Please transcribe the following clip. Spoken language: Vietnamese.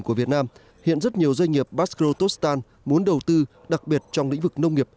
của việt nam hiện rất nhiều doanh nghiệp baskotostan muốn đầu tư đặc biệt trong lĩnh vực nông nghiệp